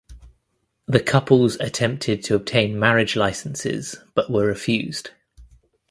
The couples attempted to obtain marriage licenses but were refused.